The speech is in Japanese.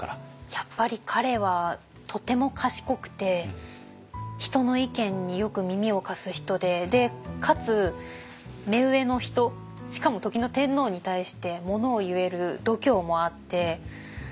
やっぱり彼はとても賢くて人の意見によく耳を貸す人でかつ目上の人しかも時の天皇に対してものを言える度胸もあって。